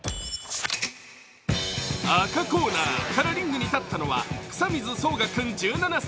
赤コーナーからリングに立ったのは草水曹賀君１７歳。